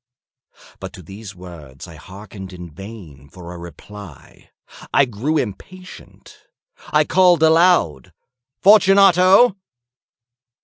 But to these words I hearkened in vain for a reply. I grew impatient. I called aloud— "Fortunato!"